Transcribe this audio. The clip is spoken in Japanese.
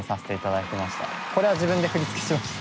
これは自分で振り付けしました。